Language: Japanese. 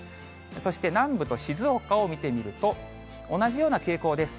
そして南部と静岡を見てみると、同じような傾向です。